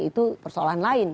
itu persoalan lain